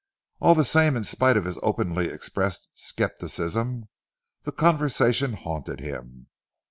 All the same in spite of his openly expressed scepticism, the conversation haunted him.